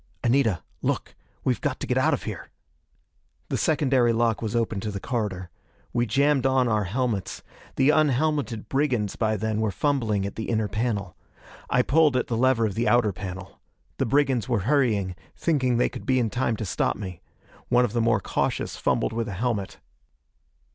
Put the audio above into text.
"Anita! Look! We've got to get out of here!" The secondary lock was open to the corridor. We jammed on our helmets. The unhelmeted brigands by then were fumbling at the inner panel. I pulled at the lever of the outer panel. The brigands were hurrying, thinking they could be in time to stop me. One of the more cautious fumbled with a helmet.